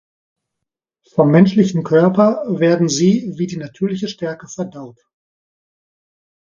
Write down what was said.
Vom menschlichen Körper werden sie wie die natürliche Stärke verdaut.